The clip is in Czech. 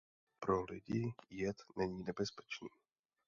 Pro lidi jed není nebezpečný.